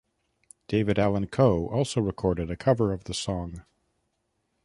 David Allan Coe also recorded a cover of the song.